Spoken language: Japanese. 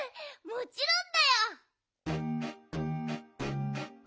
もちろんだよ！